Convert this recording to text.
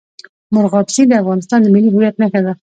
مورغاب سیند د افغانستان د ملي هویت نښه ده.